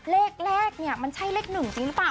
เลขแรกบันมันใช่เลขหนึ่งจริงหรือเปล่า